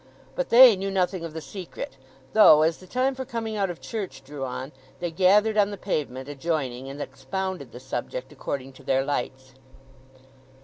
But they knew nothing of the secret; though, as the time for coming out of church drew on, they gathered on the pavement adjoining, and expounded the subject according to their lights.